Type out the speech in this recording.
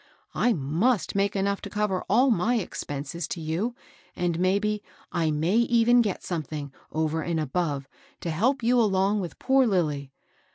I miLst make enough to cover all mj expenses to yon, and maybe I may even get something, over and above, to help yon along with poor Lilly.